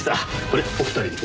これお二人で。